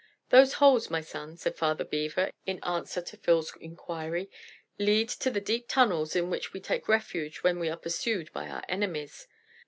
"Those holes, my son," said Father Beaver, in answer to Phil's inquiry, "lead to the deep tunnels in which we take refuge when we are pursued by our enemies.